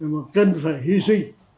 mà cần phải hy sinh